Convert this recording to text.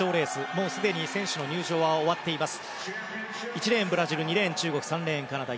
もうすでに選手の入場は終わっています。